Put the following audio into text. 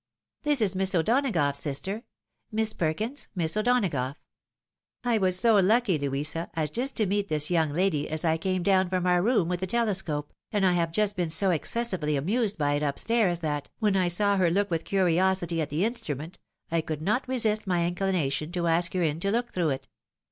This is Miss O'Donagough, sister — ^Miss Perkins, Miss O'Dona gough. I was so lucky, Louisa, as just to meet this young lady as I came down from our room with the telescope, and I have just been so excessively amused by it up stairs, that, when I saw her look with curiosity at the instrument, I could not resist my inclination to ask her in to look through it.